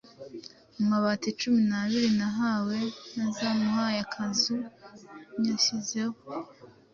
amabati cumi nabiri nahawe nazamuye akazu nyashyizeho